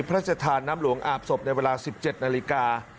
พระราชทานน้ำหลวงอาบศพในเวลา๑๗นาฬิกา